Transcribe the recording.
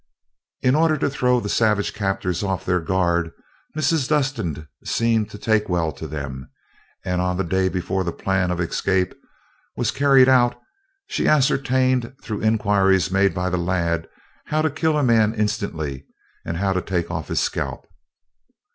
In order to throw the savage captors off their guard, Mrs. Dustin seemed to take well to them, and on the day before the plan of escape was carried out, she ascertained, through inquiries made by the lad, how to kill a man instantly and how to take off his scalp.